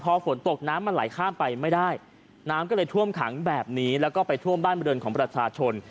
พอฝนตกน้ำมันไหลข้ามไปไม่ได้น้ำก็เลยท่วมขังแบบนี้แล้วก็ไปท่วมบ้านบริเวณของประชาชน